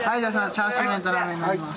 チャーシューメンとラーメンになります。